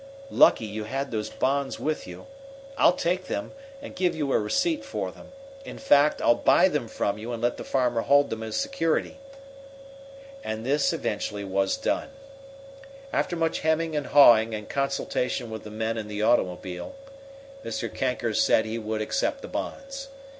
"Lucky you had those bonds with you. I'll take them, and give you a receipt for them. In fact, I'll buy them from you and let the farmer hold them as security." And this, eventually, was done. After much hemming and hawing and consultation with the men in the automobile, Mr. Kanker said he would accept the bonds.